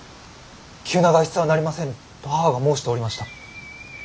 急な外出はなりませぬと母が申しておりました。